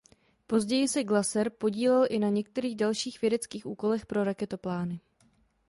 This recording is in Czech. Později se Glaser podílel i na některých dalších vědeckých úkolech pro raketoplány.